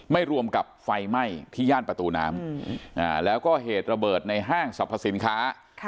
รวมกับไฟไหม้ที่ย่านประตูน้ำแล้วก็เหตุระเบิดในห้างสรรพสินค้า